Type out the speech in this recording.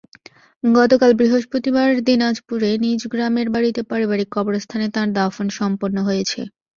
গতকাল বৃহস্পতিবার দিনাজপুরে নিজ গ্রামের বাড়িতে পারিবারিক কবরস্থানে তাঁর দাফন সম্পন্ন হয়েছে।